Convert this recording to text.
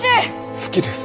好きです！